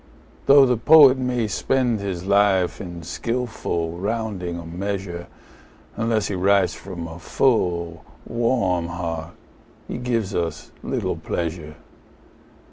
Though the poet may spend his life in skilfully rounding a measure, Unless he writes from a full, warm heart he gives us little pleasure.